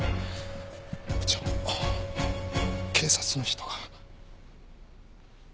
部長警察の人が。